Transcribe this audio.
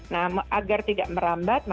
nah agar tidak merambat